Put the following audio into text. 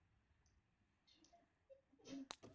罗德里格斯茜草目前被列为极危物种。